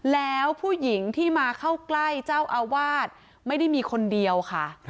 แล้วผู้หญิงที่มาเข้าใกล้เจ้าอาวาสไม่ได้มีคนเดียวค่ะ